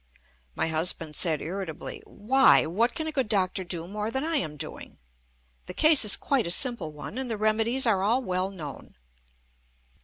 My husband said irritably: "Why! what can a good doctor do more than I am doing? The case is quite a simple one, and the remedies are all well known."